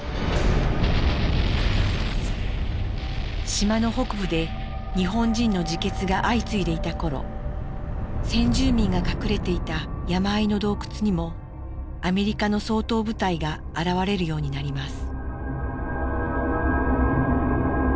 島の北部で日本人の自決が相次いでいた頃先住民が隠れていた山あいの洞窟にもアメリカの掃討部隊が現れるようになります。